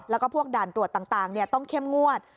แล้วก็พวกด่านตรวจต่างต้องเข้มงวด